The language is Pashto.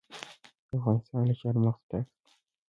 افغانستان له چار مغز ډک دی.